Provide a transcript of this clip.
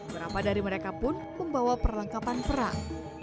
berapa dari mereka pun membawa perlengkapan perang